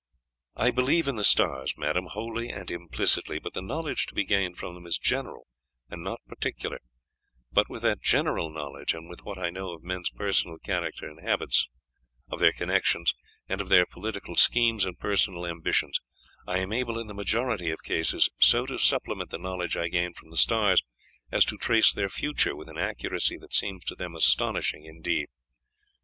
"'I believe in the stars, madame, wholly and implicitly, but the knowledge to be gained from them is general and not particular; but with that general knowledge, and with what I know of men's personal character and habits, of their connections, of their political schemes and personal ambitions, I am able in the majority of cases so to supplement the knowledge I gain from the stars, as to trace their future with an accuracy that seems to them astonishing indeed.